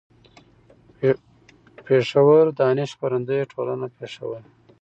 پېښور: دانش خپرندويه ټولنه، پېښور